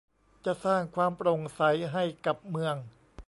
จะสร้างความโปร่งใสให้กับเมือง